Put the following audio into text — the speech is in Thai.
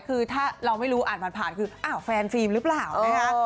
คือถ้าเราไม่รู้อ่านผ่านคืออ้าวแฟนฟิล์มหรือเปล่านะคะ